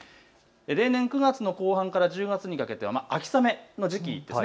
例年９月の後半から１０月にかけては秋雨の時期ですね。